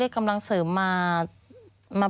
มันจอดอย่างง่ายอย่างง่าย